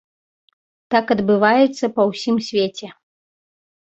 Так адбываецца па ўсім свеце.